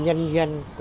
nhân đồng chí